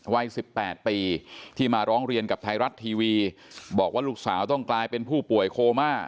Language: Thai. วัย๑๘ปีที่มาร้องเรียนกับไทยรัฐทีวีบอกว่าลูกสาวต้องกลายเป็นผู้ป่วยโคม่า